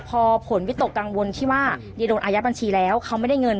พอผลวิตกกังวลที่ว่าเยโดนอายัดบัญชีแล้วเขาไม่ได้เงิน